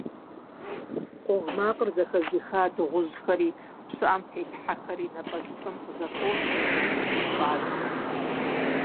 Къугъ макъыр зэхэзыха дыгъужьхэри, пщыӀэм телъ хьэхэри напӀэзыпӀэм къызэхуосри, зэрышхын щӀадзэ.